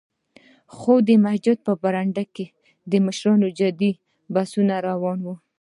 خو د مسجد په برنډه کې د مشرانو جدي بحث روان و.